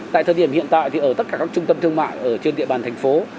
tại thời điểm hiện tại thì ở tất cả các trung tâm thương mại ở trên địa bàn thành phố